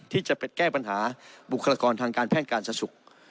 ที่จะไปแก้ปัญหาบุคลากรทางการแพทย์การสะสุข